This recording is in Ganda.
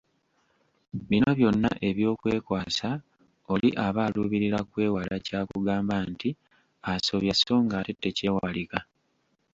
Bino byonna ebyokwekwasa oli aba aluubirira kwewala kya kugamba nti asobya so ng'ate tekyewalika.